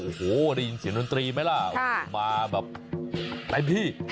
โอ้โหได้ยินเสียงน้อนตรีไหมล่ะมาแบบในพี่